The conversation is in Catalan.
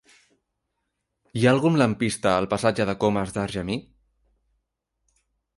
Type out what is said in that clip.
Hi ha algun lampista al passatge de Comas d'Argemí?